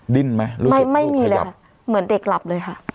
ดิ้นไหมไม่มีเลยค่ะเหมือนเด็กหลับเลยค่ะ